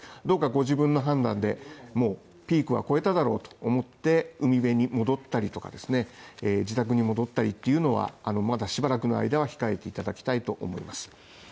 どうかご自分の判断でもうピークは越えただろうと思って、海辺に戻ったりとかですね、自宅に戻ったりというのはまだしばらくの間は控えていただきたいと思います。